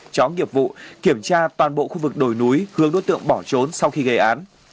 chó nghiệp vụ kiểm tra toàn bộ khu vực đồi núi hướng đối tượng bỏ trốn sau khi gây án